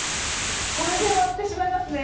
これで終わってしまいますね。